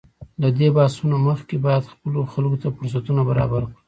له دې بحثونو مخکې باید خپلو خلکو ته فرصتونه برابر کړو.